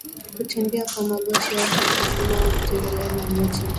Kutembea kwa magoti au kuchuchumaa au kutembelea magoti